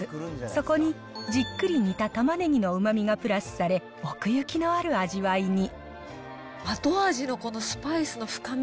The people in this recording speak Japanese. そこにじっくり煮たたまねぎのうまみがプラスされ、奥行きのある味わいに。